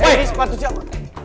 eh sepatu siapa